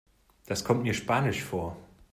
Das kommt mir spanisch vor.